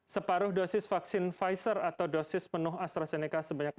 separuh dosis vaksin pfizer atau dosis penuh astrazeneca sebanyak